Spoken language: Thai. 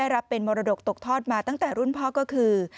รับเป็นมรดกตกทอดมาตั้งแต่รุ่นพ่อก็คือ